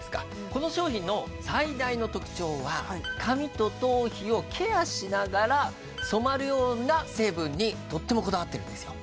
この商品の最大の特徴は髪と頭皮をケアしながら染まるような成分にとってもこだわってるんですよ